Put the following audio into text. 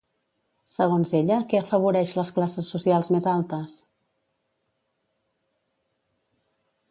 Segons ella, què afavoreix les classes socials més altes?